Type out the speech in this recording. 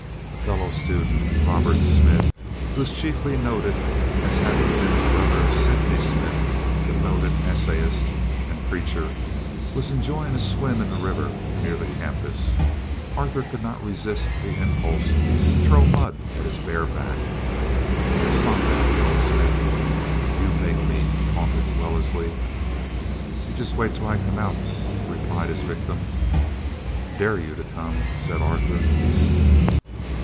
A fellow student, Robert Smith, who is chiefly noted as having been the brother of Sydney Smith, the noted essayist and preacher, was enjoying a swim in the river, near the campus. Arthur could not resist the impulse to throw mud at his bare back. "Stop that!" yelled Smith. "You make me!" taunted Wellesley. "You just wait till I come out," replied his victim. "Dare you to come," said Arthur.